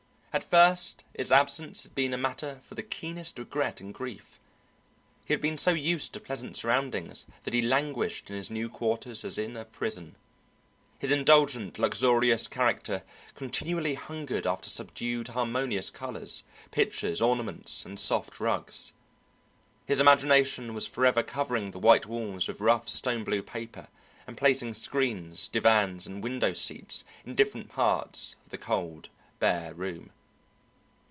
At first its absence had been a matter for the keenest regret and grief. He had been so used to pleasant surroundings that he languished in his new quarters as in a prison. His indulgent, luxurious character continually hungered after subdued, harmonious colours, pictures, ornaments, and soft rugs. His imagination was forever covering the white walls with rough stone blue paper, and placing screens, divans, and window seats in different parts of the cold bare room.